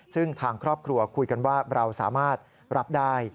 ซึ่งทางครอบครัวคุยกันว่าเราสามารถรับได้